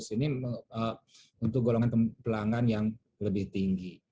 ini untuk golongan pelanggan yang lebih tinggi